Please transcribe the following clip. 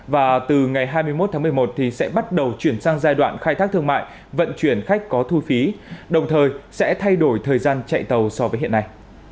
và từ ngày hai mươi một tháng một mươi một sẽ bắt đầu chuyển sang giai đoạn khai thác thương mại vận chuyển khách có thu phí đồng thời sẽ thay đổi thời gian chạy tàu so với hiện nay